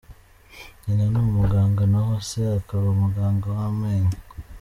Nyina ni umuganga naho se akaba muganga w’amenyo.